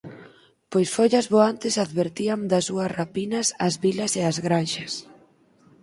Pois follas voantes advertían das súas rapinas ás vilas e ás granxas.